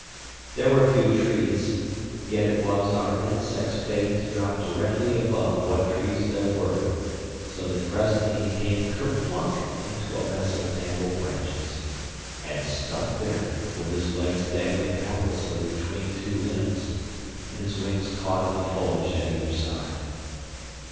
There were few trees, yet it was our insect's fate to drop directly above what trees there were, so that presently he came ker plunk into a mass of tangled branches and stuck there, with his legs dangling helplessly between two limbs and his wings caught in the foliage at either side.